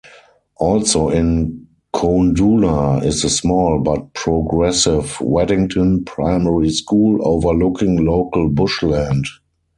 Also in Koondoola is the small but progressive Waddington Primary School, overlooking local bushland.